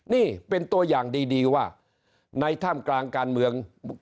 นี่เป็นตัวอย่างดีว่าในท่ามกลางการเมือง